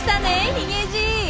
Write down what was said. ヒゲじい。